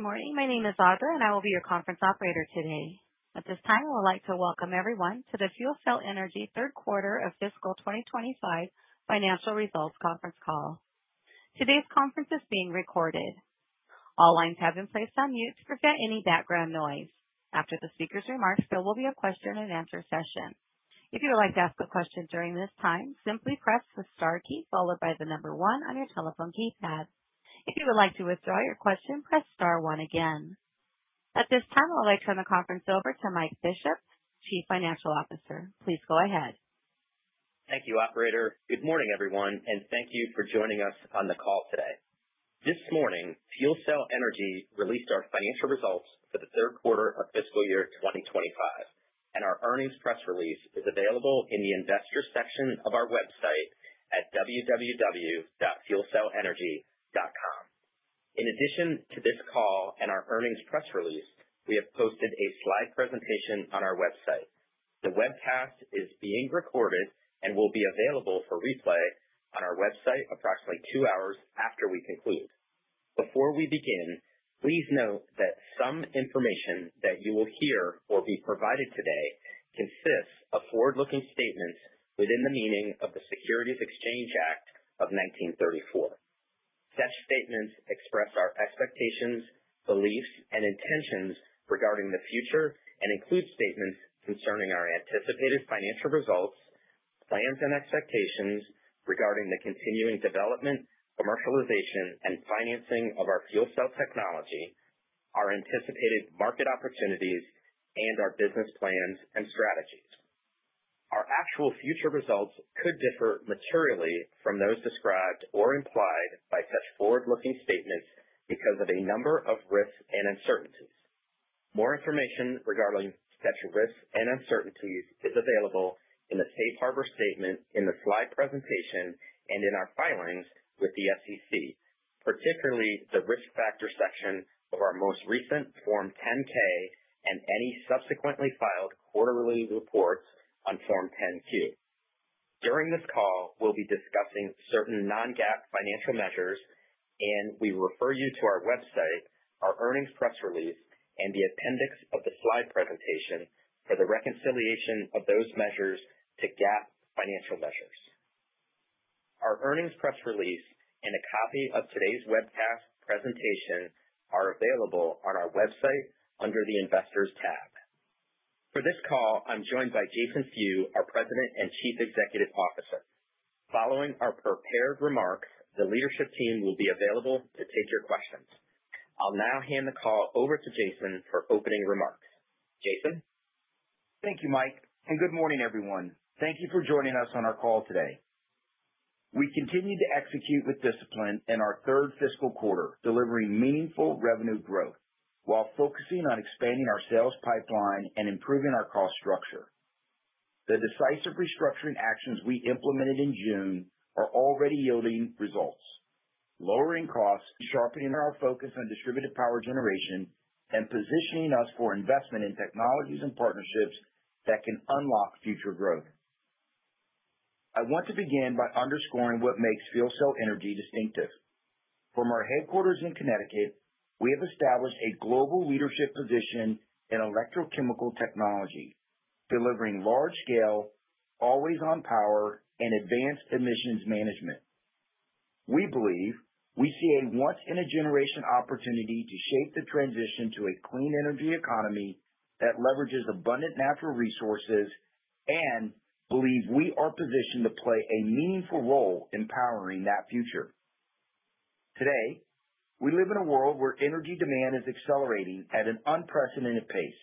Good morning. My name is Audra, and I will be your conference operator today. At this time, I would like to welcome everyone to the FuelCell Energy third quarter of fiscal 2025 financial results conference call. Today's conference is being recorded. All lines have been placed on mute to prevent any background noise. After the speaker's remarks, there will be a question-and-answer session. If you would like to ask a question during this time, simply press the star key followed by the number one on your telephone keypad. If you would like to withdraw your question, press star one again. At this time, I would like to turn the conference over to Mike Bishop, Chief Financial Officer. Please go ahead. Thank you, operator. Good morning, everyone, and thank you for joining us on the call today. This morning, FuelCell Energy released our financial results for the third quarter of fiscal year 2025, and our earnings press release is available in the investor section of our website at www.fuelcellenergy.com. In addition to this call and our earnings press release, we have posted a slide presentation on our website. The webcast is being recorded and will be available for replay on our website approximately two hours after we conclude. Before we begin, please note that some information that you will hear or be provided today consists of forward-looking statements within the meaning of the Securities Exchange Act of 1934. Such statements express our expectations, beliefs, and intentions regarding the future and include statements concerning our anticipated financial results, plans, and expectations regarding the continuing development, commercialization, and financing of our fuel cell technology, our anticipated market opportunities, and our business plans and strategies. Our actual future results could differ materially from those described or implied by such forward-looking statements because of a number of risks and uncertainties. More information regarding such risks and uncertainties is available in the safe harbor statement in the slide presentation and in our filings with the SEC, particularly the risk factor section of our most recent Form 10-K and any subsequently filed quarterly reports on Form 10-Q. During this call, we'll be discussing certain non-GAAP financial measures, and we refer you to our website, our earnings press release, and the appendix of the slide presentation for the reconciliation of those measures to GAAP financial measures. Our earnings press release and a copy of today's webcast presentation are available on our website under the investors tab. For this call, I'm joined by Jason Few, our President and Chief Executive Officer. Following our prepared remarks, the leadership team will be available to take your questions. I'll now hand the call over to Jason for opening remarks. Jason? Thank you, Mike, and good morning, everyone. Thank you for joining us on our call today. We continue to execute with discipline in our third fiscal quarter, delivering meaningful revenue growth while focusing on expanding our sales pipeline and improving our cost structure. The decisive restructuring actions we implemented in June are already yielding results: lowering costs, sharpening our focus on distributed power generation, and positioning us for investment in technologies and partnerships that can unlock future growth. I want to begin by underscoring what makes FuelCell Energy distinctive. From our headquarters in Connecticut, we have established a global leadership position in electrochemical technology, delivering large-scale, always-on power and advanced emissions management. We believe we see a once-in-a-generation opportunity to shape the transition to a clean energy economy that leverages abundant natural resources and believe we are positioned to play a meaningful role in powering that future. Today, we live in a world where energy demand is accelerating at an unprecedented pace,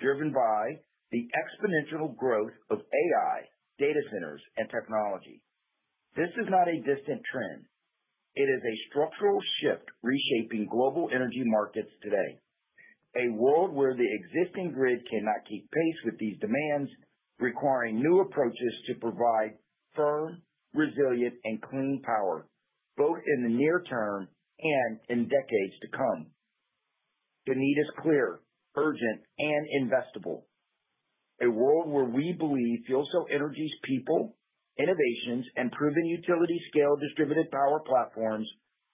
driven by the exponential growth of AI, data centers, and technology. This is not a distant trend. It is a structural shift reshaping global energy markets today, a world where the existing grid cannot keep pace with these demands, requiring new approaches to provide firm, resilient, and clean power both in the near term and in decades to come. The need is clear, urgent, and investable. A world where we believe FuelCell Energy's people, innovations, and proven utility-scale distributed power platforms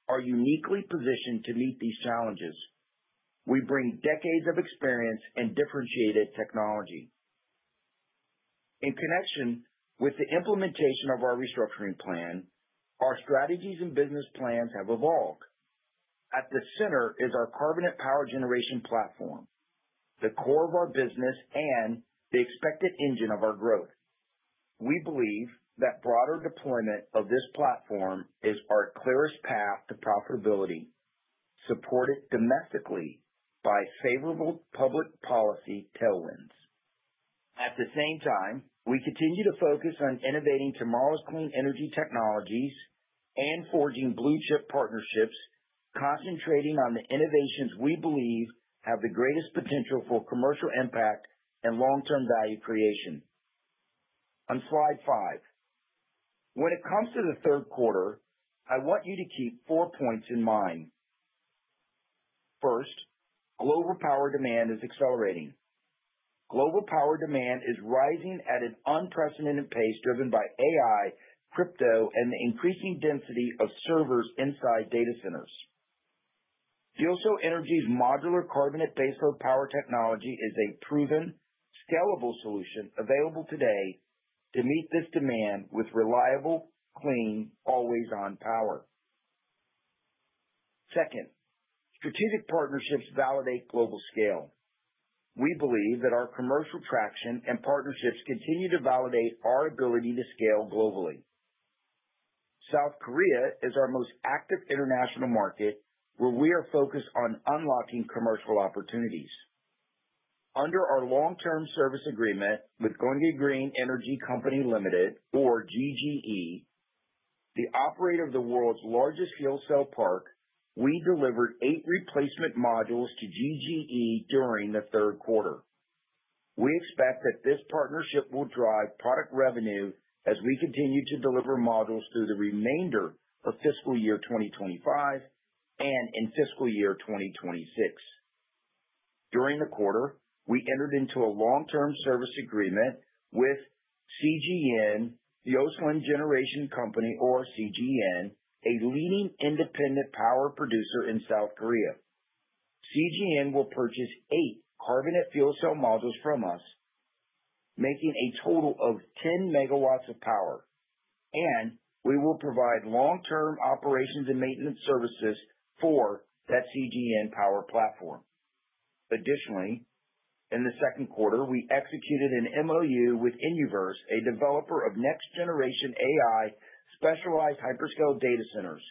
are uniquely positioned to meet these challenges. We bring decades of experience and differentiated technology. In connection with the implementation of our restructuring plan, our strategies and business plans have evolved. At the center is our carbonate power generation platform, the core of our business and the expected engine of our growth. We believe that broader deployment of this platform is our clearest path to profitability, supported domestically by favorable public policy tailwinds. At the same time, we continue to focus on innovating tomorrow's clean energy technologies and forging blue-chip partnerships, concentrating on the innovations we believe have the greatest potential for commercial impact and long-term value creation. On slide five, when it comes to the third quarter, I want you to keep four points in mind. First, global power demand is accelerating. Global power demand is rising at an unprecedented pace driven by AI, crypto, and the increasing density of servers inside data centers. FuelCell Energy's modular carbonate baseload power technology is a proven, scalable solution available today to meet this demand with reliable, clean, always-on power. Second, strategic partnerships validate global scale. We believe that our commercial traction and partnerships continue to validate our ability to scale globally. South Korea is our most active international market, where we are focused on unlocking commercial opportunities. Under our long-term service agreement with Gyeonggi Green Energy Company Limited, or GGE, the operator of the world's largest fuel cell park, we delivered eight replacement modules to GGE during the third quarter. We expect that this partnership will drive product revenue as we continue to deliver modules through the remainder of fiscal year 2025 and in fiscal year 2026. During the quarter, we entered into a long-term service agreement with CGN Yulchon Generation Company, or CGN, a leading independent power producer in South Korea. CGN will purchase eight carbonate fuel cell modules from us, making a total of 10 megawatts of power, and we will provide long-term operations and maintenance services for that CGN power platform. Additionally, in the second quarter, we executed an MOU with Inuverse, a developer of next-generation AI specialized hyperscale data centers,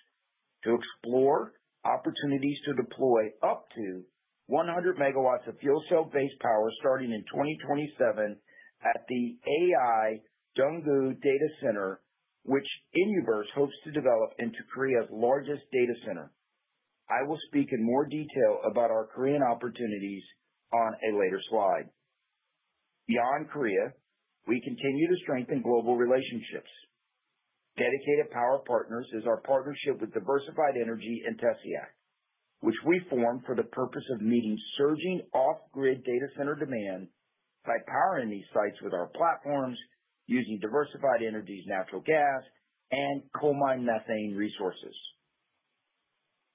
to explore opportunities to deploy up to 100 megawatts of fuel cell-based power starting in 2027 at the AI Daegu Data Center, which Inuverse hopes to develop into Korea's largest data center. I will speak in more detail about our Korean opportunities on a later slide. Beyond Korea, we continue to strengthen global relationships. Dedicated Power Partners is our partnership with Diversified Energy and TESIAC, which we formed for the purpose of meeting surging off-grid data center demand by powering these sites with our platforms using Diversified Energy's natural gas and coal-mined methane resources.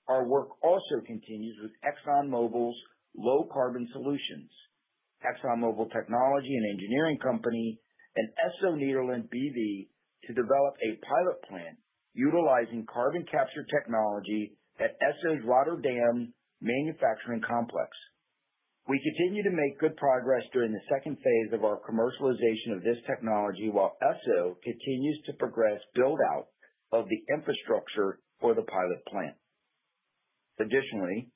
Our work also continues with ExxonMobil's Low Carbon Solutions, ExxonMobil Technology and Engineering Company, and Esso Nederland B.V., to develop a pilot plant utilizing carbon capture technology at Esso's Rotterdam manufacturing complex. We continue to make good progress during the second phase of our commercialization of this technology while Esso continues to progress build-out of the infrastructure for the pilot plant. Additionally,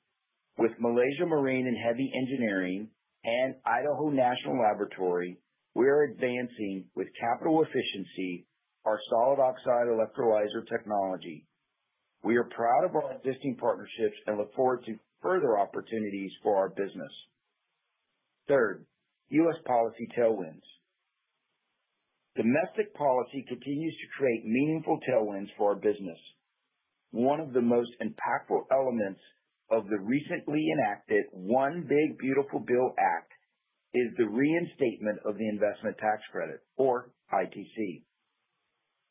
with Malaysia Marine and Heavy Engineering and Idaho National Laboratory, we are advancing with capital efficiency our solid oxide electrolyzer technology. We are proud of our existing partnerships and look forward to further opportunities for our business. Third, U.S. policy tailwinds. Domestic policy continues to create meaningful tailwinds for our business. One of the most impactful elements of the recently enacted One Big Beautiful Bill Act is the reinstatement of the investment tax credit, or ITC.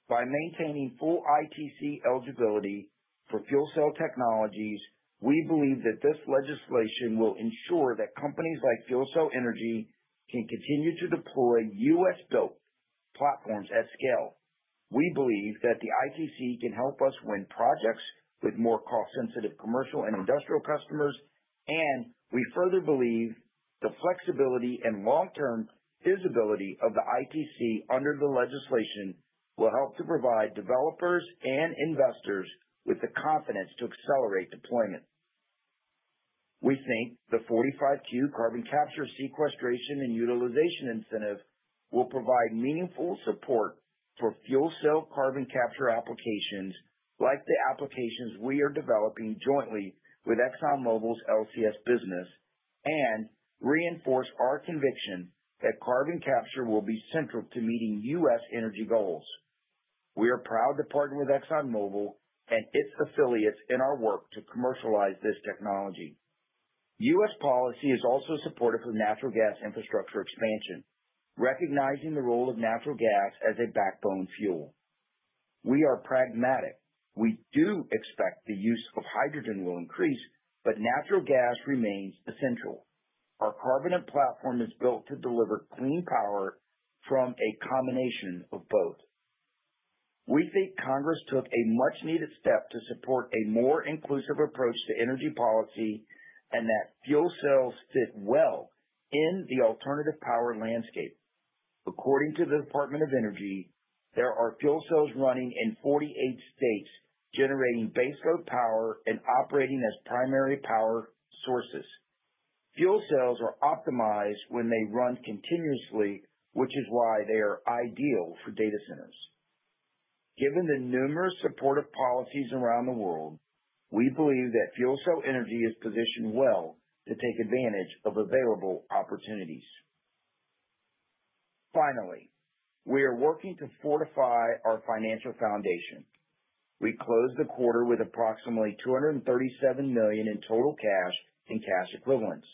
By maintaining full ITC eligibility for fuel cell technologies, we believe that this legislation will ensure that companies like FuelCell Energy can continue to deploy U.S.-built platforms at scale. We believe that the ITC can help us win projects with more cost-sensitive commercial and industrial customers, and we further believe the flexibility and long-term visibility of the ITC under the legislation will help to provide developers and investors with the confidence to accelerate deployment. We think the 45Q carbon capture sequestration and utilization incentive will provide meaningful support for fuel cell carbon capture applications like the applications we are developing jointly with ExxonMobil's LCS business and reinforce our conviction that carbon capture will be central to meeting U.S. energy goals. We are proud to partner with ExxonMobil and its affiliates in our work to commercialize this technology. U.S. policy is also supportive of natural gas infrastructure expansion, recognizing the role of natural gas as a backbone fuel. We are pragmatic. We do expect the use of hydrogen will increase, but natural gas remains essential. Our carbonate platform is built to deliver clean power from a combination of both. We think Congress took a much-needed step to support a more inclusive approach to energy policy and that fuel cells fit well in the alternative power landscape. According to the Department of Energy, there are fuel cells running in 48 states, generating baseload power and operating as primary power sources. Fuel cells are optimized when they run continuously, which is why they are ideal for data centers. Given the numerous supportive policies around the world, we believe that FuelCell Energy is positioned well to take advantage of available opportunities. Finally, we are working to fortify our financial foundation. We closed the quarter with approximately $237 million in total cash and cash equivalents,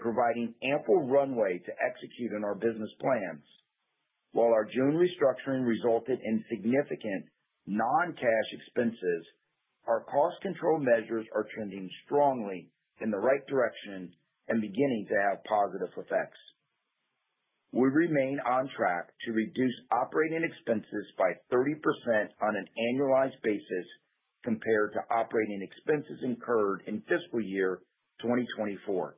providing ample runway to execute on our business plans. While our June restructuring resulted in significant non-cash expenses, our cost control measures are trending strongly in the right direction and beginning to have positive effects. We remain on track to reduce operating expenses by 30% on an annualized basis compared to operating expenses incurred in fiscal year 2024,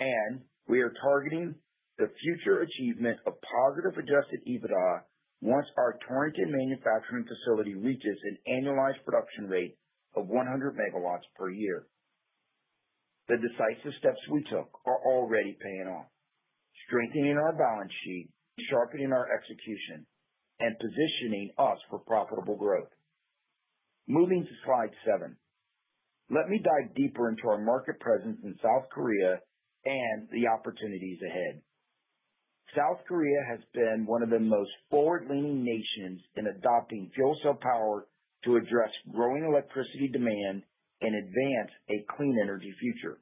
and we are targeting the future achievement of positive Adjusted EBITDA once our Torrington manufacturing facility reaches an annualized production rate of 100 megawatts per year. The decisive steps we took are already paying off, strengthening our balance sheet, sharpening our execution, and positioning us for profitable growth. Moving to slide seven, let me dive deeper into our market presence in South Korea and the opportunities ahead. South Korea has been one of the most forward-leaning nations in adopting fuel cell power to address growing electricity demand and advance a clean energy future.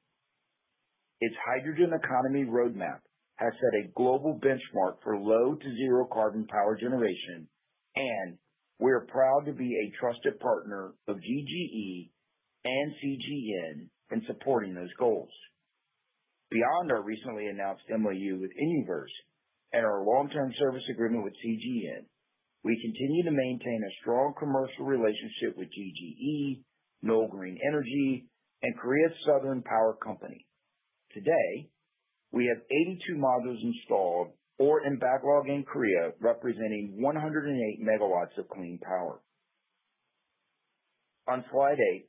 Its hydrogen economy roadmap has set a global benchmark for low to zero carbon power generation, and we are proud to be a trusted partner of GGE and CGN in supporting those goals. Beyond our recently announced MOU with Inuverse and our long-term service agreement with CGN, we continue to maintain a strong commercial relationship with GGE, Noeul Green Energy, and Korea Southern Power Company. Today, we have 82 modules installed or in backlog in Korea, representing 108 megawatts of clean power. On slide eight,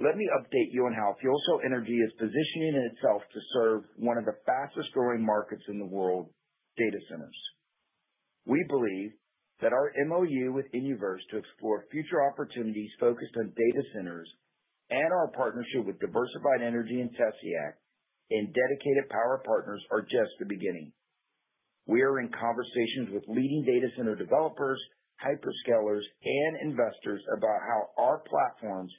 let me update you on how FuelCell Energy is positioning itself to serve one of the fastest-growing markets in the world, data centers. We believe that our MOU with Inuverse to explore future opportunities focused on data centers and our partnership with Diversified Energy and TESIAC and Dedicated Power Partners are just the beginning. We are in conversations with leading data center developers, hyperscalers, and investors about how our platforms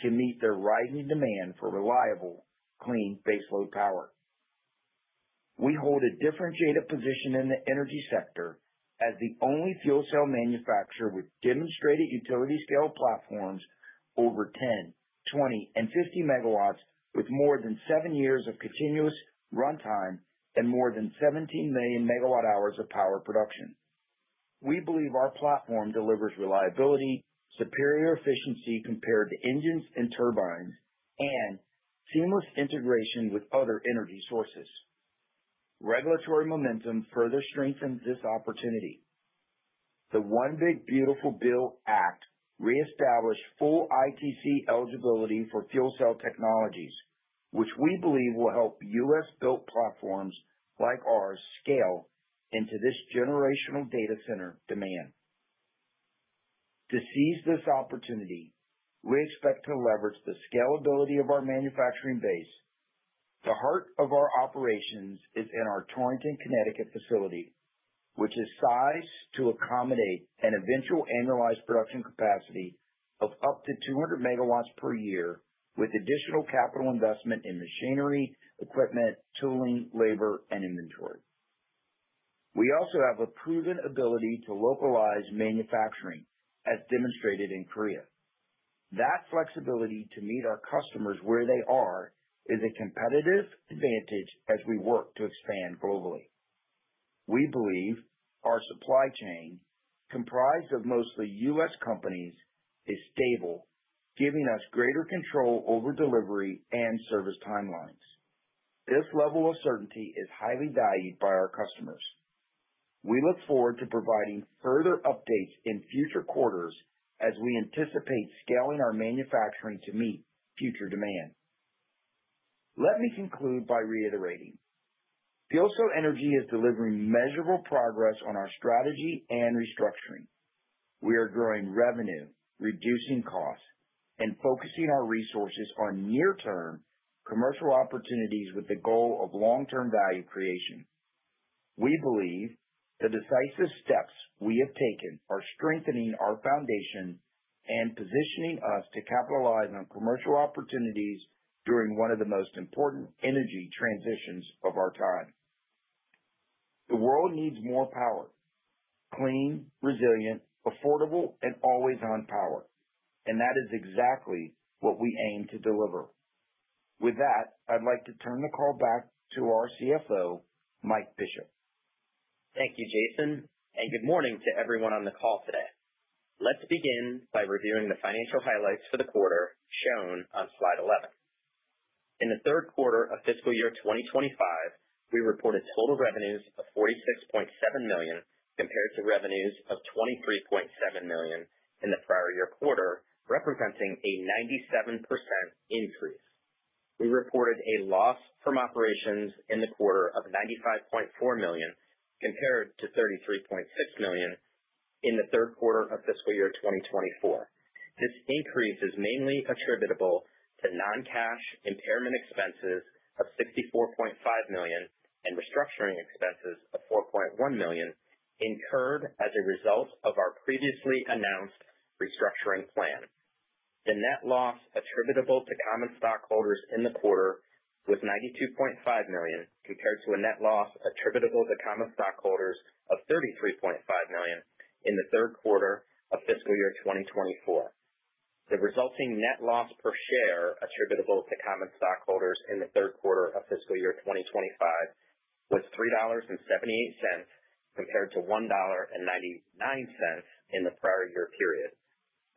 can meet their rising demand for reliable, clean baseload power. We hold a differentiated position in the energy sector as the only fuel cell manufacturer with demonstrated utility-scale platforms over 10, 20, and 50 megawatts, with more than seven years of continuous runtime and more than 17 million megawatt-hours of power production. We believe our platform delivers reliability, superior efficiency compared to engines and turbines, and seamless integration with other energy sources. Regulatory momentum further strengthens this opportunity. The One Big Beautiful Bill Act reestablished full ITC eligibility for fuel cell technologies, which we believe will help U.S.-built platforms like ours scale into this generational data center demand. To seize this opportunity, we expect to leverage the scalability of our manufacturing base. The heart of our operations is in our Torrington, Connecticut facility, which is sized to accommodate an eventual annualized production capacity of up to 200 megawatts per year with additional capital investment in machinery, equipment, tooling, labor, and inventory. We also have a proven ability to localize manufacturing, as demonstrated in Korea. That flexibility to meet our customers where they are is a competitive advantage as we work to expand globally. We believe our supply chain, comprised of mostly U.S. companies, is stable, giving us greater control over delivery and service timelines. This level of certainty is highly valued by our customers. We look forward to providing further updates in future quarters as we anticipate scaling our manufacturing to meet future demand. Let me conclude by reiterating. FuelCell Energy is delivering measurable progress on our strategy and restructuring. We are growing revenue, reducing costs, and focusing our resources on near-term commercial opportunities with the goal of long-term value creation. We believe the decisive steps we have taken are strengthening our foundation and positioning us to capitalize on commercial opportunities during one of the most important energy transitions of our time. The world needs more power: clean, resilient, affordable, and always on power. And that is exactly what we aim to deliver. With that, I'd like to turn the call back to our CFO, Mike Bishop. Thank you, Jason. And good morning to everyone on the call today. Let's begin by reviewing the financial highlights for the quarter shown on slide 11. In the third quarter of fiscal year 2025, we reported total revenues of $46.7 million compared to revenues of $23.7 million in the prior year quarter, representing a 97% increase. We reported a loss from operations in the quarter of $95.4 million compared to $33.6 million in the third quarter of fiscal year 2024. This increase is mainly attributable to non-cash impairment expenses of $64.5 million and restructuring expenses of $4.1 million incurred as a result of our previously announced restructuring plan. The net loss attributable to common stockholders in the quarter was $92.5 million compared to a net loss attributable to common stockholders of $33.5 million in the third quarter of fiscal year 2024. The resulting net loss per share attributable to common stockholders in the third quarter of fiscal year 2025 was $3.78 compared to $1.99 in the prior year period.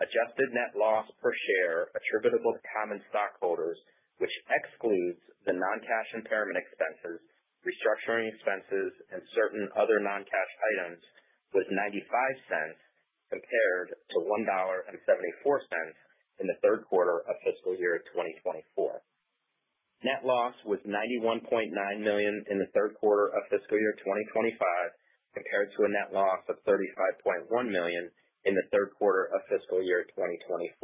Adjusted net loss per share attributable to common stockholders, which excludes the non-cash impairment expenses, restructuring expenses, and certain other non-cash items, was $0.95 compared to $1.74 in the third quarter of fiscal year 2024. Net loss was $91.9 million in the third quarter of fiscal year 2025 compared to a net loss of $35.1 million in the third quarter of fiscal year 2024.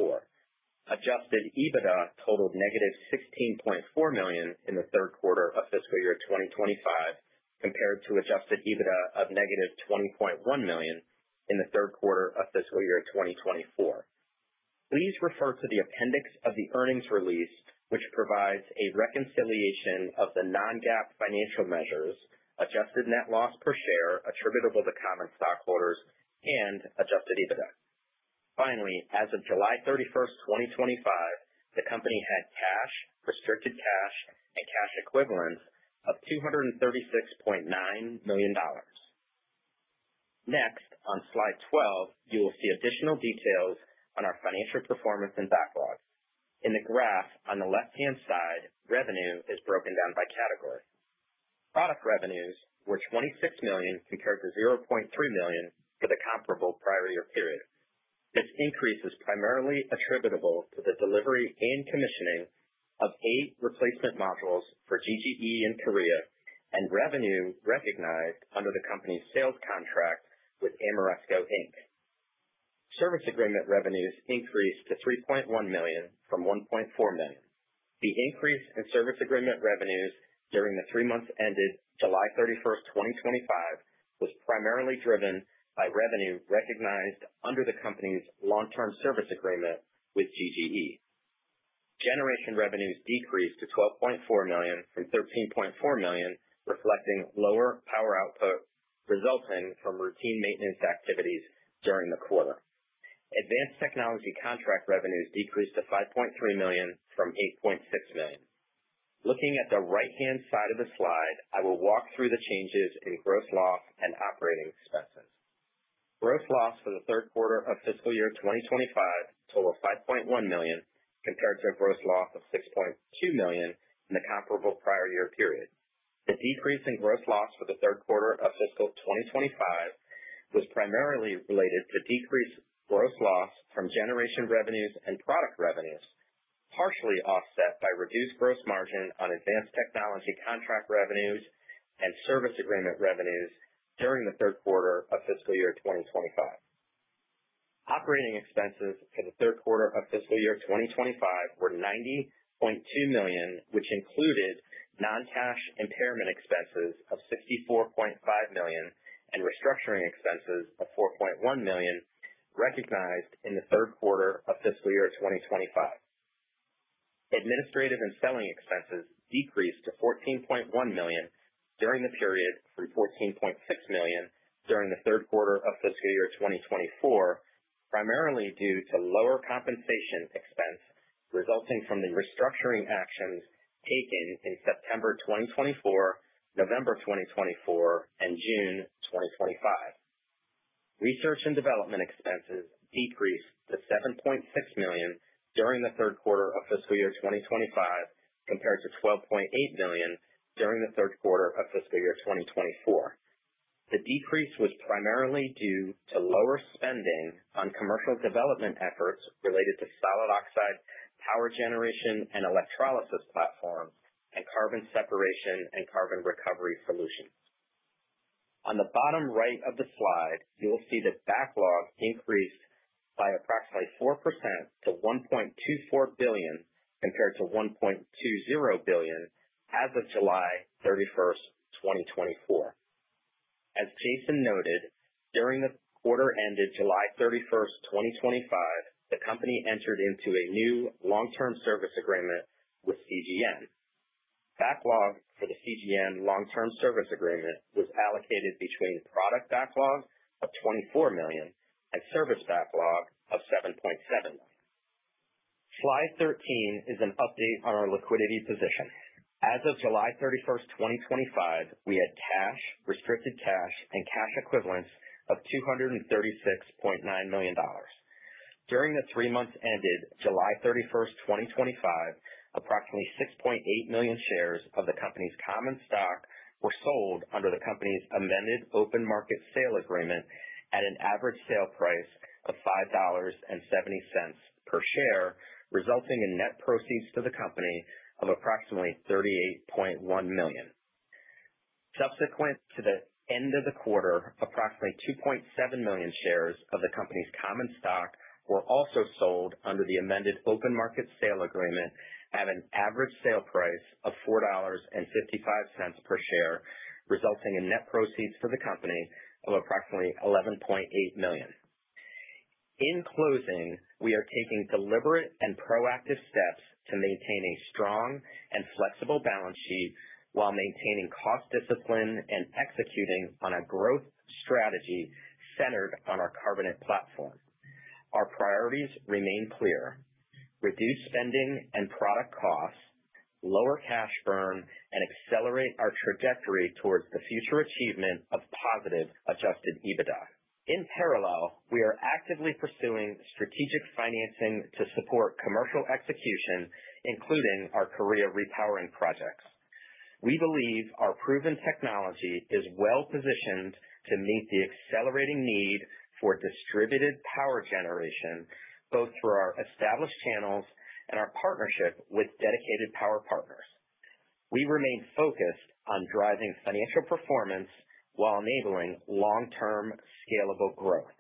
Adjusted EBITDA totaled negative $16.4 million in the third quarter of fiscal year 2025 compared to adjusted EBITDA of negative $20.1 million in the third quarter of fiscal year 2024. Please refer to the appendix of the earnings release, which provides a reconciliation of the non-GAAP financial measures, adjusted net loss per share attributable to common stockholders, and adjusted EBITDA. Finally, as of July 31st, 2025, the company had cash, restricted cash, and cash equivalents of $236.9 million. Next, on slide 12, you will see additional details on our financial performance and backlog. In the graph on the left-hand side, revenue is broken down by category. Product revenues were $26 million compared to $0.3 million for the comparable prior year period. This increase is primarily attributable to the delivery and commissioning of eight replacement modules for GGE and Korea and revenue recognized under the company's sales contract with Ameresco, Inc. Service agreement revenues increased to $3.1 million from $1.4 million. The increase in service agreement revenues during the three months ended July 31st, 2025, was primarily driven by revenue recognized under the company's long-term service agreement with GGE. Generation revenues decreased to $12.4 million from $13.4 million, reflecting lower power output resulting from routine maintenance activities during the quarter. Advanced technology contract revenues decreased to $5.3 million from $8.6 million. Looking at the right-hand side of the slide, I will walk through the changes in gross loss and operating expenses. Gross loss for the third quarter of fiscal year 2025 totaled $5.1 million compared to a gross loss of $6.2 million in the comparable prior year period. The decrease in gross loss for the third quarter of fiscal 2025 was primarily related to decreased gross loss from generation revenues and product revenues, partially offset by reduced gross margin on advanced technology contract revenues and service agreement revenues during the third quarter of fiscal year 2025. Operating expenses for the third quarter of fiscal year 2025 were $90.2 million, which included non-cash impairment expenses of $64.5 million and restructuring expenses of $4.1 million recognized in the third quarter of fiscal year 2025. Administrative and selling expenses decreased to $14.1 million during the period from $14.6 million during the third quarter of fiscal year 2024, primarily due to lower compensation expense resulting from the restructuring actions taken in September 2024, November 2024, and June 2025. Research and development expenses decreased to $7.6 million during the third quarter of fiscal year 2025 compared to $12.8 million during the third quarter of fiscal year 2024. The decrease was primarily due to lower spending on commercial development efforts related to solid oxide power generation and electrolysis platforms and carbon separation and carbon recovery solutions. On the bottom right of the slide, you will see the backlog increased by approximately 4% to $1.24 billion compared to $1.20 billion as of July 31st, 2024. As Jason noted, during the quarter ended July 31st, 2025, the company entered into a new long-term service agreement with CGN. Backlog for the CGN long-term service agreement was allocated between product backlog of $24 million and service backlog of $7.7 million. Slide 13 is an update on our liquidity position. As of July 31st, 2025, we had cash, restricted cash, and cash equivalents of $236.9 million. During the three months ended July 31st, 2025, approximately 6.8 million shares of the company's common stock were sold under the company's amended open market sale agreement at an average sale price of $5.70 per share, resulting in net proceeds to the company of approximately $38.1 million. Subsequent to the end of the quarter, approximately 2.7 million shares of the company's common stock were also sold under the amended open market sale agreement at an average sale price of $4.55 per share, resulting in net proceeds for the company of approximately $11.8 million. In closing, we are taking deliberate and proactive steps to maintain a strong and flexible balance sheet while maintaining cost discipline and executing on a growth strategy centered on our carbonate platform. Our priorities remain clear: reduce spending and product costs, lower cash burn, and accelerate our trajectory towards the future achievement of positive Adjusted EBITDA. In parallel, we are actively pursuing strategic financing to support commercial execution, including our Korea repowering projects. We believe our proven technology is well-positioned to meet the accelerating need for distributed power generation, both through our established channels and our partnership with Dedicated Power Partners. We remain focused on driving financial performance while enabling long-term scalable growth.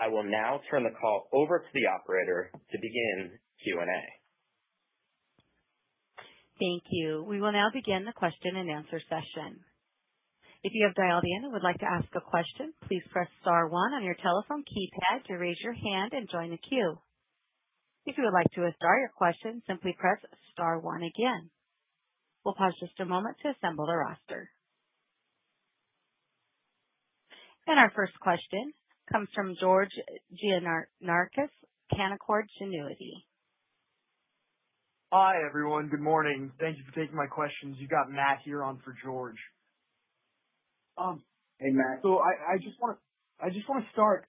I will now turn the call over to the operator to begin Q&A. Thank you. We will now begin the question and answer session. If you have dialed in and would like to ask a question, please press star one on your telephone keypad to raise your hand and join the queue. If you would like to start your question, simply press star one again. We'll pause just a moment to assemble the roster. And our first question comes from George Gianarikas, Canaccord Genuity. Hi, everyone. Good morning. Thank you for taking my questions. You've got Matt here on for George. Hey, Matt. So I just want to start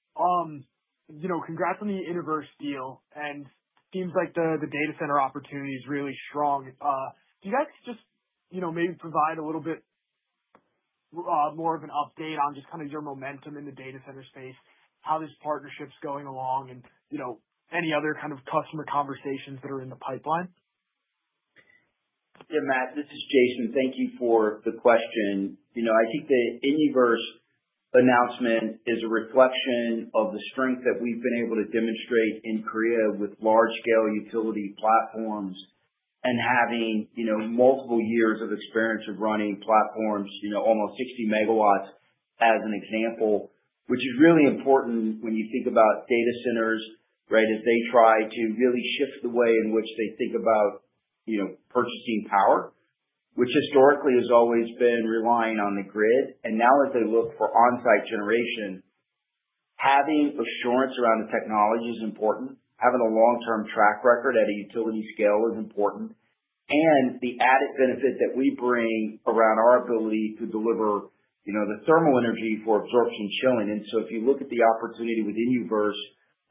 congratulating the Inuverse deal, and it seems like the data center opportunity is really strong. Do you guys just maybe provide a little bit more of an update on just kind of your momentum in the data center space, how this partnership's going along, and any other kind of customer conversations that are in the pipeline? Yeah, Matt. This is Jason. Thank you for the question. I think the Inuverse announcement is a reflection of the strength that we've been able to demonstrate in Korea with large-scale utility platforms and having multiple years of experience of running platforms, almost 60 megawatts, as an example, which is really important when you think about data centers, right, as they try to really shift the way in which they think about purchasing power, which historically has always been relying on the grid. And now that they look for on-site generation, having assurance around the technology is important. Having a long-term track record at a utility scale is important. And the added benefit that we bring around our ability to deliver the thermal energy for absorption chilling. And so if you look at the opportunity with Inuverse,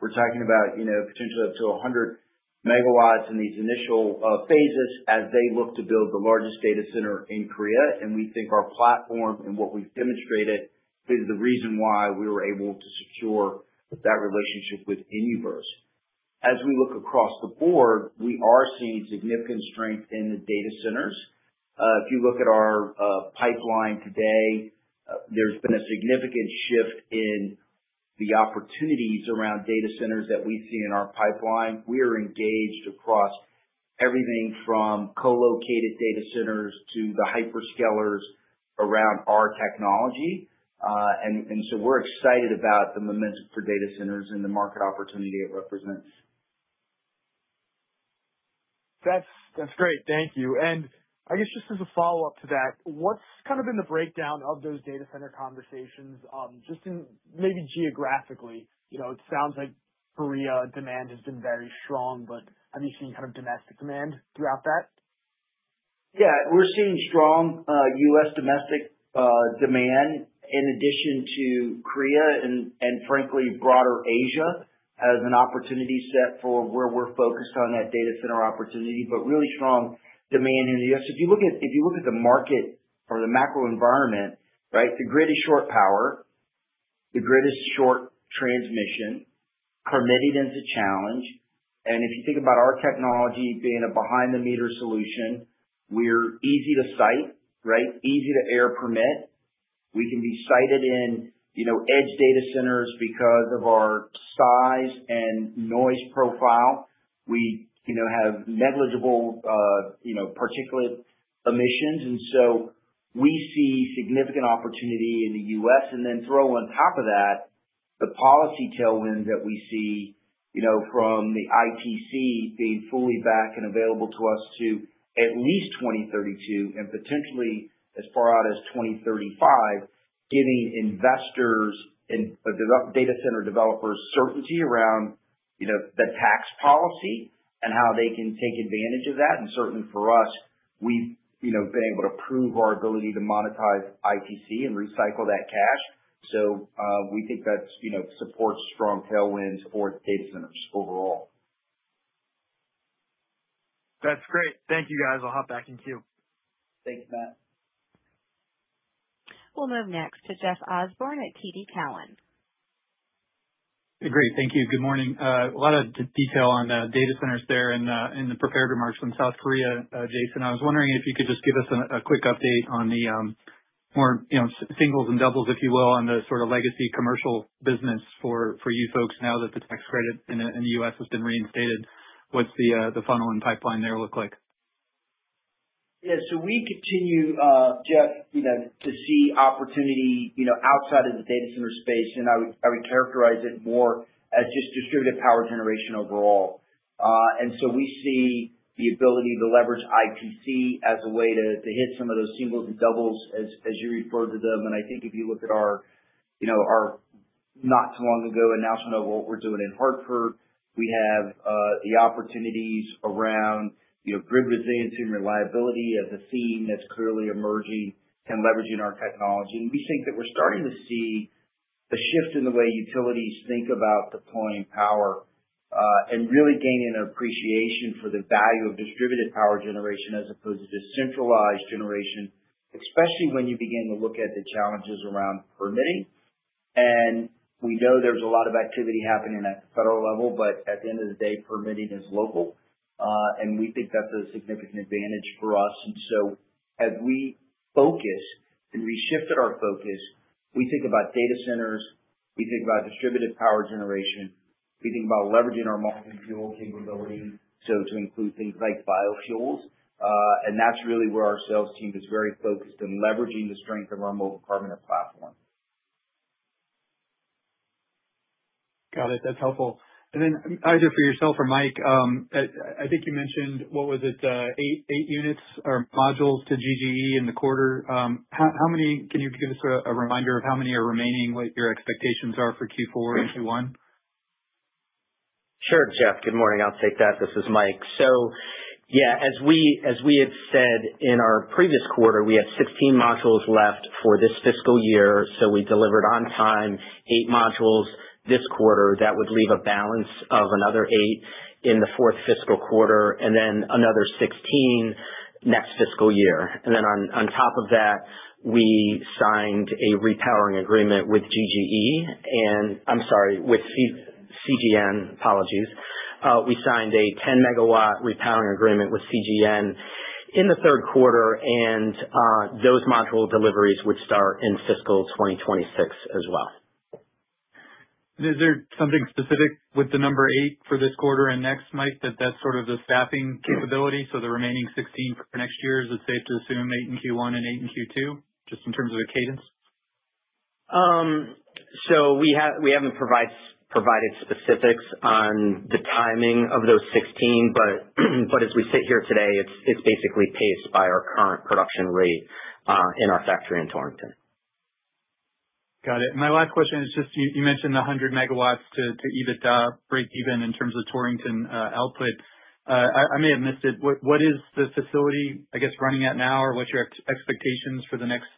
we're talking about potentially up to 100 megawatts in these initial phases as they look to build the largest data center in Korea. We think our platform and what we've demonstrated is the reason why we were able to secure that relationship with Inuverse. As we look across the board, we are seeing significant strength in the data centers. If you look at our pipeline today, there's been a significant shift in the opportunities around data centers that we see in our pipeline. We are engaged across everything from co-located data centers to the hyperscalers around our technology. And so we're excited about the momentum for data centers and the market opportunity it represents. That's great. Thank you. And I guess just as a follow-up to that, what's kind of been the breakdown of those data center conversations just in maybe geographically? It sounds like Korea demand has been very strong, but have you seen kind of domestic demand throughout that? Yeah. We're seeing strong U.S. Domestic demand in addition to Korea and, frankly, broader Asia as an opportunity set for where we're focused on that data center opportunity, but really strong demand in the U.S. If you look at the market or the macro environment, right, the grid is short power. The grid is short transmission. Permitting is a challenge. And if you think about our technology being a behind-the-meter solution, we're easy to site, right, easy to air permit. We can be sited in edge data centers because of our size and noise profile. We have negligible particulate emissions. And so we see significant opportunity in the U.S. And then throw on top of that the policy tailwinds that we see from the ITC being fully back and available to us to at least 2032 and potentially as far out as 2035, giving investors and data center developers certainty around the tax policy and how they can take advantage of that. And certainly for us, we've been able to prove our ability to monetize ITC and recycle that cash. So we think that supports strong tailwinds for data centers overall. That's great. Thank you, guys. I'll hop back in queue. Thanks, Matt. We'll move next to Jeff Osborne at TD Cowen. Hey, great. Thank you. Good morning. A lot of detail on data centers there in the prepared remarks from South Korea, Jason. I was wondering if you could just give us a quick update on the more singles and doubles, if you will, on the sort of legacy commercial business for you folks now that the tax credit in the U.S. has been reinstated. What's the funnel and pipeline there look like? Yeah. So we continue, Jeff, to see opportunity outside of the data center space. And I would characterize it more as just distributed power generation overall. And so we see the ability to leverage ITC as a way to hit some of those singles and doubles, as you referred to them. And I think if you look at our not-too-long-ago announcement of what we're doing in Hartford, we have the opportunities around grid resiliency and reliability as a theme that's clearly emerging and leveraging our technology. And we think that we're starting to see a shift in the way utilities think about deploying power and really gaining an appreciation for the value of distributed power generation as opposed to just centralized generation, especially when you begin to look at the challenges around permitting. And we know there's a lot of activity happening at the federal level, but at the end of the day, permitting is local. And we think that's a significant advantage for us. And so as we focus and we shifted our focus, we think about data centers. We think about distributed power generation. We think about leveraging our multi-fuel capability to include things like biofuels. And that's really where our sales team is very focused in leveraging the strength of our molten carbonate platform. Got it. That's helpful. And then either for yourself or Mike, I think you mentioned what was it, eight units or modules to GGE in the quarter. Can you give us a reminder of how many are remaining, what your expectations are for Q4 and Q1? Sure, Jeff. Good morning. I'll take that. This is Mike. So yeah, as we had said in our previous quarter, we have 16 modules left for this fiscal year. So we delivered on time eight modules this quarter. That would leave a balance of another eight in the fourth fiscal quarter and then another 16 next fiscal year. And then on top of that, we signed a repowering agreement with GGE. And I'm sorry, with CGN, apologies. We signed a 10-megawatt repowering agreement with CGN in the third quarter. And those module deliveries would start in fiscal 2026 as well. Is there something specific with the number eight for this quarter and next, Mike, that that's sort of the staffing capability? So the remaining 16 for next year, is it safe to assume eight in Q1 and eight in Q2, just in terms of a cadence? So we haven't provided specifics on the timing of those 16, but as we sit here today, it's basically paced by our current production rate in our factory in Torrington. Got it. My last question is just you mentioned the 100 megawatts to EBITDA break-even in terms of Torrington output. I may have missed it. What is the facility, I guess, running at now, or what's your expectations for the next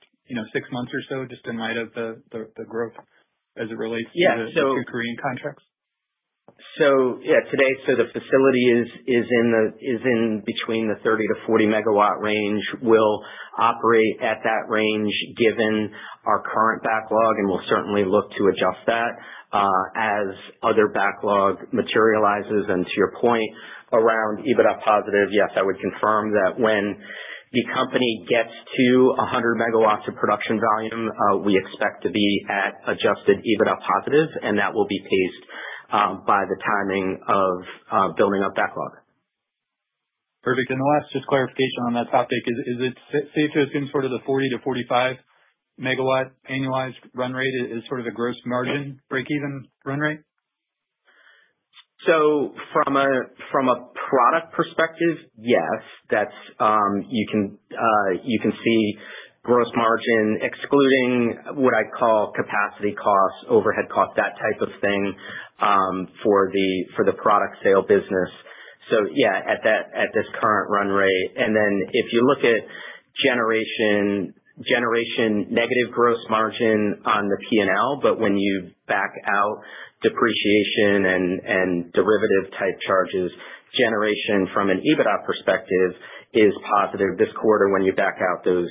six months or so, just in light of the growth as it relates to Korean contracts? So yeah, today, so the facility is in between the 30 to 40 megawatt range. We'll operate at that range given our current backlog, and we'll certainly look to adjust that as other backlog materializes. And to your point around EBITDA positive, yes, I would confirm that when the company gets to 100 megawatts of production volume, we expect to be at adjusted EBITDA positive, and that will be paced by the timing of building up backlog. Perfect. And the last just clarification on that topic is, is it safe to assume sort of the 40 to 45-megawatt annualized run rate is sort of a gross margin break-even run rate? So from a product perspective, yes. You can see gross margin excluding what I call capacity costs, overhead costs, that type of thing for the product sale business. So yeah, at this current run rate. And then if you look at generation negative gross margin on the P&L, but when you back out depreciation and derivative-type charges, generation from an EBITDA perspective is positive. This quarter, when you back out those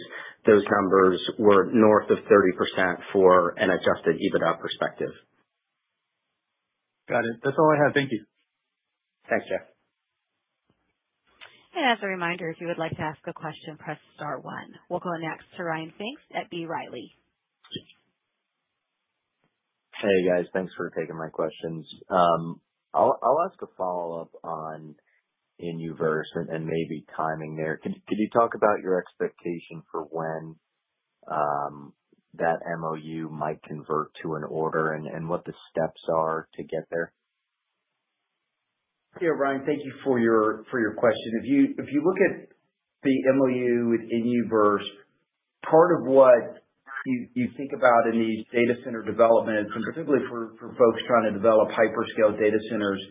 numbers, we're north of 30% for an adjusted EBITDA perspective. Got it. That's all I have. Thank you. Thanks, Jeff. And as a reminder, if you would like to ask a question, press star one. We'll go next to Ryan Pfingst at B. Riley. Hey, guys. Thanks for taking my questions. I'll ask a follow-up on Inuverse and maybe timing there. Could you talk about your expectation for when that MOU might convert to an order and what the steps are to get there? Yeah, Ryan, thank you for your question. If you look at the MOU with Inuverse, part of what you think about in these data center developments, and particularly for folks trying to develop hyperscale data centers,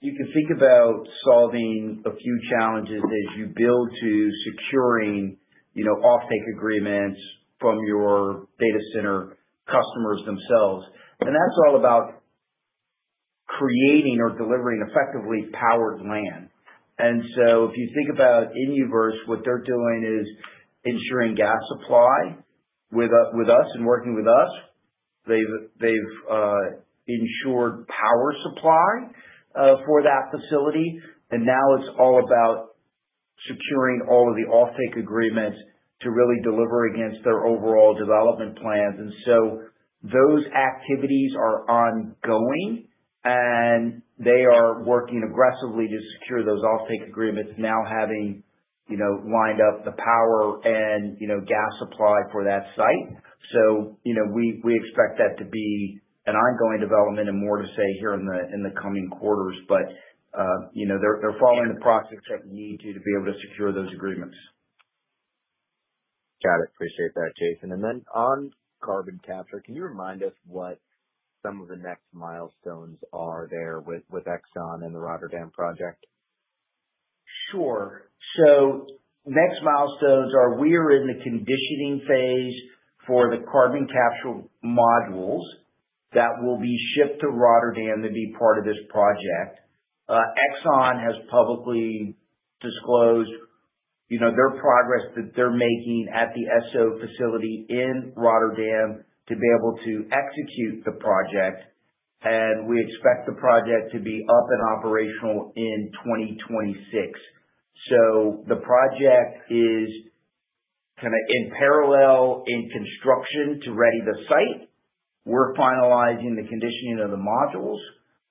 you can think about solving a few challenges as you build to securing offtake agreements from your data center customers themselves, and that's all about creating or delivering effectively powered land, and so if you think about Inuverse, what they're doing is ensuring gas supply with us and working with us. They've ensured power supply for that facility, and now it's all about securing all of the offtake agreements to really deliver against their overall development plans, and so those activities are ongoing, and they are working aggressively to secure those offtake agreements, now having lined up the power and gas supply for that site. So we expect that to be an ongoing development and more to say here in the coming quarters. But they're following the process that we need to be able to secure those agreements. Got it. Appreciate that, Jason. And then on carbon capture, can you remind us what some of the next milestones are there with Exxon and the Rotterdam project? Sure. So next milestones are we are in the conditioning phase for the carbon capture modules that will be shipped to Rotterdam to be part of this project. Exxon has publicly disclosed their progress that they're making at the Esso facility in Rotterdam to be able to execute the project. And we expect the project to be up and operational in 2026. So the project is kind of in parallel in construction to ready the site. We're finalizing the conditioning of the modules.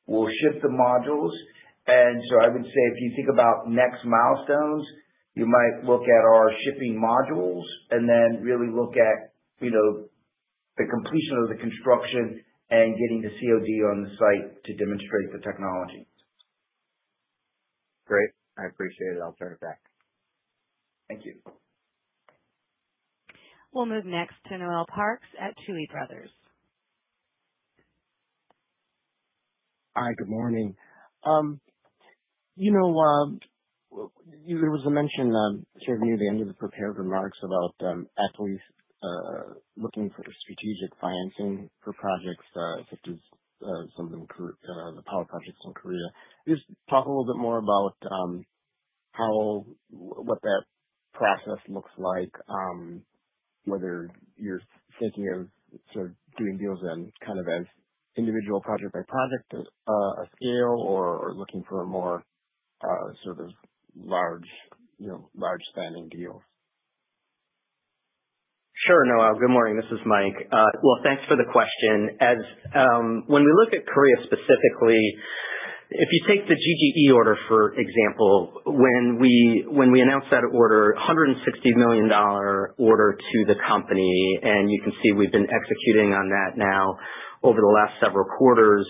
We'll ship the modules. And so, I would say if you think about next milestones, you might look at our shipping modules and then really look at the completion of the construction and getting the COD on the site to demonstrate the technology. Great. I appreciate it. I'll turn it back. Thank you. We'll move next to Noel Parks at Tuohy Brothers. Hi, good morning. There was a mention sort of near the end of the prepared remarks about actually looking for strategic financing for projects such as some of the power projects in Korea. Just talk a little bit more about what that process looks like, whether you're thinking of sort of doing deals kind of as individual project by project scale or looking for a more sort of large-spanning deal. Sure, Noel. Good morning. This is Mike. Well, thanks for the question. When we look at Korea specifically, if you take the GGE order for example, when we announced that order, $160 million order to the company, and you can see we've been executing on that now over the last several quarters.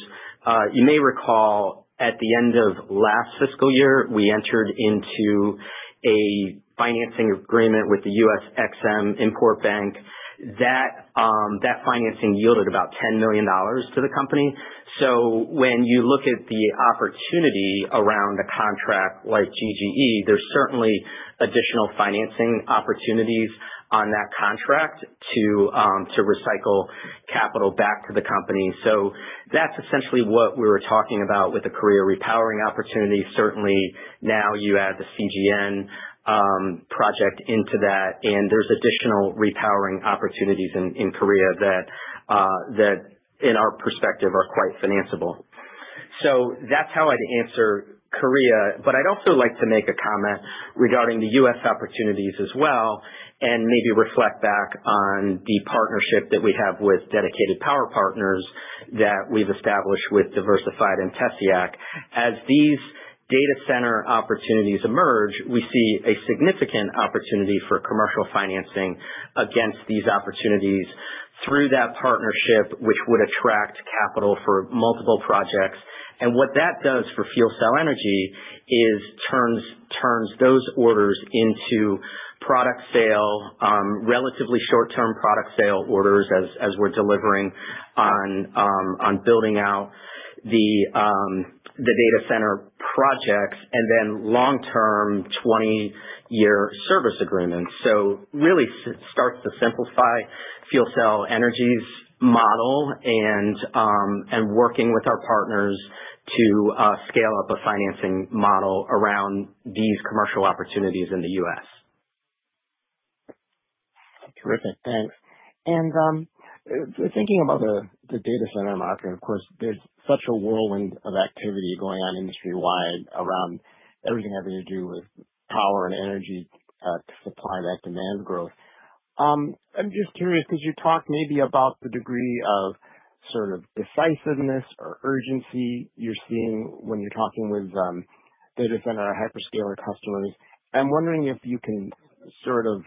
You may recall at the end of last fiscal year, we entered into a financing agreement with the EXIM. That financing yielded about $10 million to the company. So when you look at the opportunity around a contract like GGE, there's certainly additional financing opportunities on that contract to recycle capital back to the company. So that's essentially what we were talking about with the Korea repowering opportunity. Certainly, now you add the CGN project into that, and there's additional repowering opportunities in Korea that, in our perspective, are quite financeable. So that's how I'd answer Korea. But I'd also like to make a comment regarding the U.S. opportunities as well and maybe reflect back on the partnership that we have with Dedicated Power Partners that we've established with Diversified and TESIAC. As these data center opportunities emerge, we see a significant opportunity for commercial financing against these opportunities through that partnership, which would attract capital for multiple projects. And what that does for FuelCell Energy is turns those orders into product sale, relatively short-term product sale orders as we're delivering on building out the data center projects and then long-term 20-year service agreements. So really starts to simplify FuelCell Energy's model and working with our partners to scale up a financing model around these commercial opportunities in the U.S. Terrific. Thanks. And thinking about the data center market, of course, there's such a whirlwind of activity going on industry-wide around everything having to do with power and energy to supply that demand growth. I'm just curious, could you talk maybe about the degree of sort of decisiveness or urgency you're seeing when you're talking with data center or hyperscaler customers? I'm wondering if you can sort of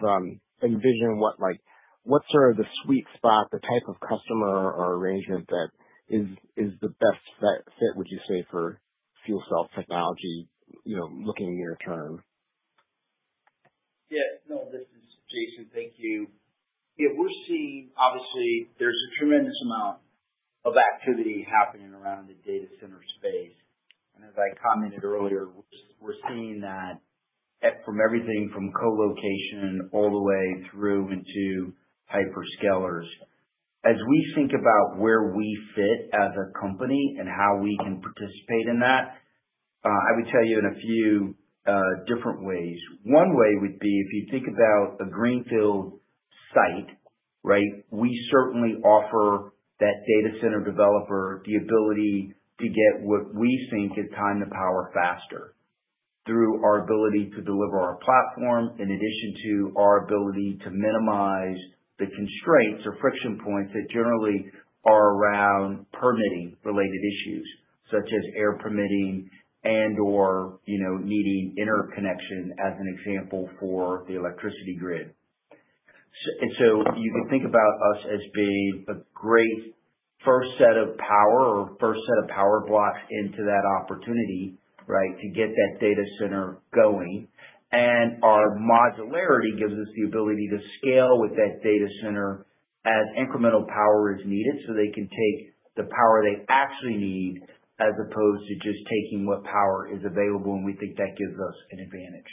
envision what sort of the sweet spot, the type of customer or arrangement that is the best fit, would you say, for FuelCell Energy looking near term? Yeah. No, this is Jason. Thank you. Yeah, we're seeing, obviously, there's a tremendous amount of activity happening around the data center space. And as I commented earlier, we're seeing that from everything from colocation all the way through into hyperscalers. As we think about where we fit as a company and how we can participate in that, I would tell you in a few different ways. One way would be if you think about a greenfield site, right? We certainly offer that data center developer the ability to get what we think is time to power faster through our ability to deliver our platform in addition to our ability to minimize the constraints or friction points that generally are around permitting-related issues such as air permitting and/or needing interconnection as an example for the electricity grid. And so you could think about us as being a great first set of power or first set of power blocks into that opportunity, right, to get that data center going. Our modularity gives us the ability to scale with that data center as incremental power is needed so they can take the power they actually need as opposed to just taking what power is available, and we think that gives us an advantage.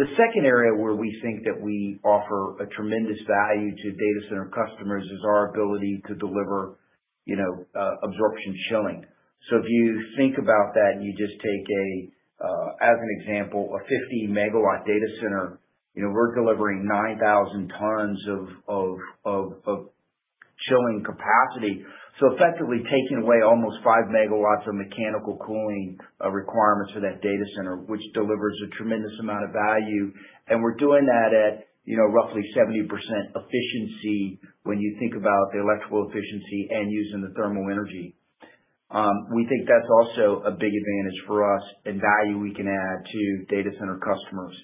The second area where we think that we offer a tremendous value to data center customers is our ability to deliver absorption chilling. If you think about that and you just take, as an example, a 50-megawatt data center, we're delivering 9,000 tons of chilling capacity. Effectively taking away almost five megawatts of mechanical cooling requirements for that data center, which delivers a tremendous amount of value. We're doing that at roughly 70% efficiency when you think about the electrical efficiency and using the thermal energy. We think that's also a big advantage for us and value we can add to data center customers.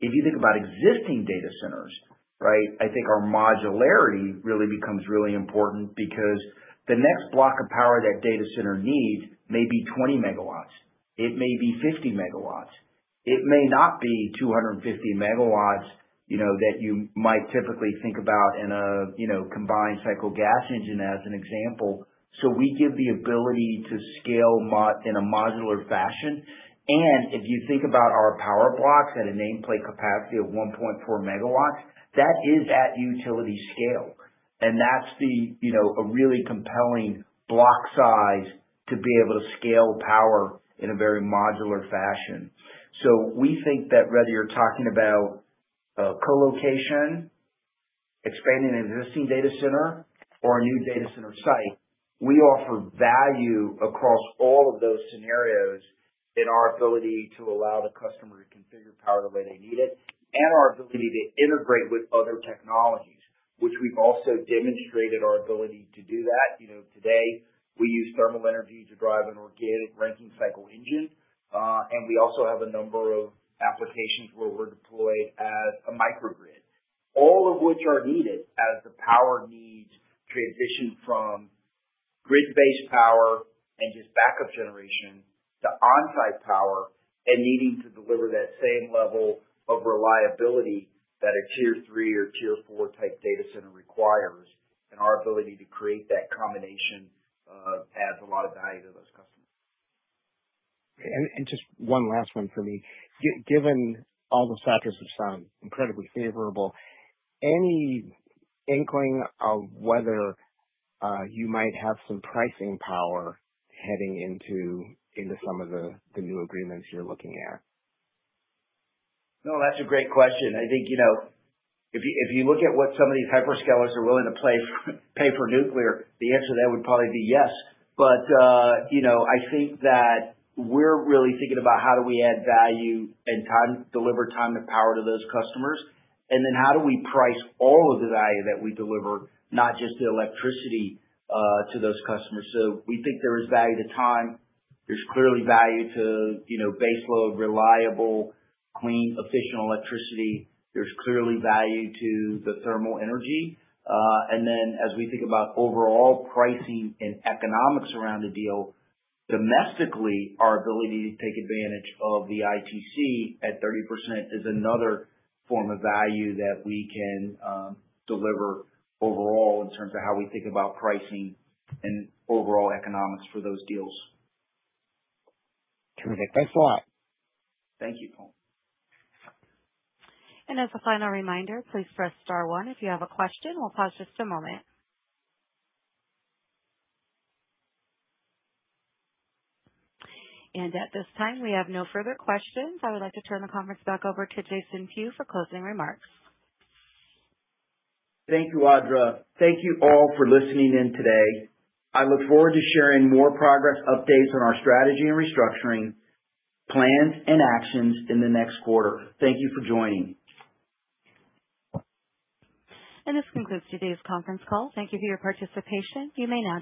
If you think about existing data centers, right, I think our modularity really becomes really important because the next block of power that data center needs may be 20 megawatts. It may be 50 megawatts. It may not be 250 megawatts that you might typically think about in a combined cycle gas engine as an example, so we give the ability to scale in a modular fashion, and if you think about our power blocks at a nameplate capacity of 1.4 megawatts, that is at utility scale, and that's a really compelling block size to be able to scale power in a very modular fashion. We think that whether you're talking about colocation, expanding an existing data center, or a new data center site, we offer value across all of those scenarios in our ability to allow the customer to configure power the way they need it and our ability to integrate with other technologies, which we've also demonstrated our ability to do that. Today, we use thermal energy to drive an Organic Rankine Cycle engine. We also have a number of applications where we're deployed as a microgrid, all of which are needed as the power needs transition from grid-based power and just backup generation to onsite power and needing to deliver that same level of reliability that a tier three or tier four type data center requires. Our ability to create that combination adds a lot of value to those customers. Just one last one for me. Given all the factors which sound incredibly favorable, any inkling of whether you might have some pricing power heading into some of the new agreements you're looking at? No, that's a great question. I think if you look at what some of these hyperscalers are willing to pay for nuclear, the answer to that would probably be yes. But I think that we're really thinking about how do we add value and deliver time to power to those customers, and then how do we price all of the value that we deliver, not just the electricity to those customers? So we think there is value to time. There's clearly value to baseload, reliable, clean, efficient electricity. There's clearly value to the thermal energy. And then as we think about overall pricing and economics around the deal, domestically, our ability to take advantage of the ITC at 30% is another form of value that we can deliver overall in terms of how we think about pricing and overall economics for those deals. Terrific. Thanks a lot. Thank you, Paul. And as a final reminder, please press star one if you have a question. We'll pause just a moment. And at this time, we have no further questions. I would like to turn the conference back over to Jason Few for closing remarks. Thank you, Audra. Thank you all for listening in today. I look forward to sharing more progress updates on our strategy and restructuring plans and actions in the next quarter. Thank you for joining. And this concludes today's conference call. Thank you for your participation. You may now.